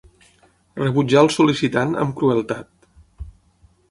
Rebutjà el sol·licitant amb crueltat.